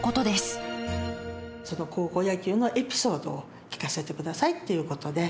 ちょっと高校野球のエピソードを聞かせてくださいっていうことで。